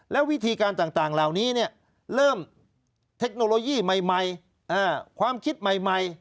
แล้ววิธีการต่างเหล่านี้เริ่มเทคโนโลยีใหม่ความคิดใหม่